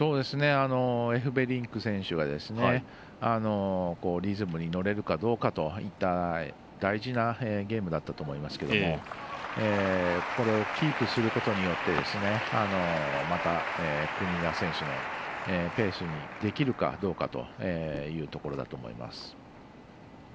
エフベリンク選手はリズムに乗れるかどうかといった大事なゲームだったと思いますけれどもキープすることによってまた、国枝選手のペースにできるかどうかというところだと思います。